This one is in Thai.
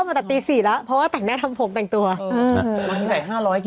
มันใส่๕๐๐กิน๓โต๊ะแม่